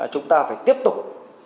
chúng ta phải tiếp tục